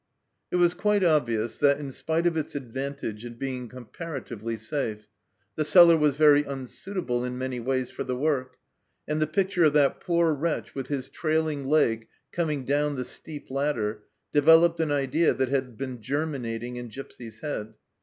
It was quite obvious that, in spite of its advantage in being comparatively safe, the cellar was very unsuitable in many ways for the work, and the picture of that poor wretch with his trailing leg coming down the steep ladder, developed an idea that had been germinating in Gipsy's head.